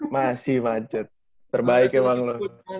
masih macet terbaik emang lu